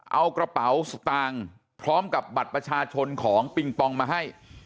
เอากระเป๋าสตางค์พร้อมกับบัตรประชาชนของปิงปองมาให้